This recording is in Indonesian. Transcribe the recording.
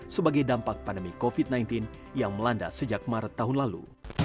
sebagai dampak pandemi covid sembilan belas yang melanda sejak maret tahun lalu